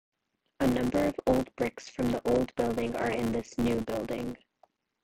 A number of old bricks from the old building are in this new building.